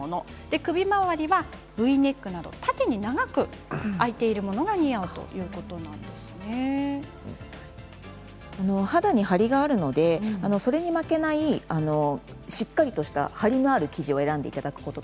首回りはＶネックなど縦に長く開いているものが似合う肌に張りがあるのでそれに負けないしっかりとした張りのある生地を選んでいただくこと